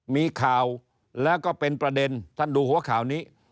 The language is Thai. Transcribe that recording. มีข่าวแล้วก็เป็นประเด็นท่านดูหัวข่าวนี้